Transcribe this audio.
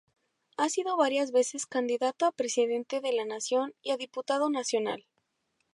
Ha sido varias veces candidato a Presidente de la Nación y a diputado nacional.